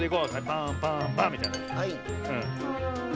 パンパンパンみたいな。